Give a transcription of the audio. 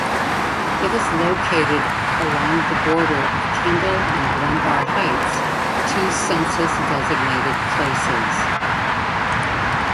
It is located along the border of Kendall and Glenvar Heights, two census-designated places.